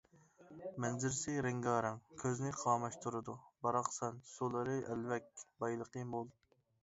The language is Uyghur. مەنزىرىسى رەڭگارەڭ، كۆزنى قاماشتۇرىدۇ، باراقسان، سۇلىرى ئەلۋەك، بايلىقى مول.